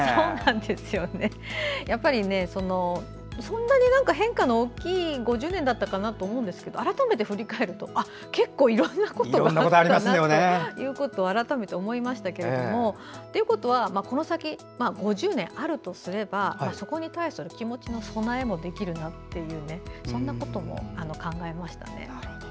やっぱりそんなに変化の大きい５０年だったかなと思うんですけど改めて振り返ると結構いろいろなことがあったなっていうことを改めて思いましたけど。ということはこの先５０年あるとすればそこに対しての気持ちの備えもできるなとそんなことも考えましたね。